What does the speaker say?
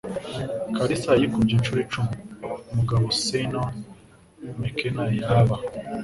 Kalisa yikubye inshuro icumi umugabo Señor Medena yaba.